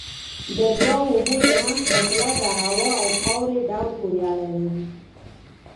د دوو اوبو ترمنځ فاصله د هوا او خاورې ډول پورې اړه لري.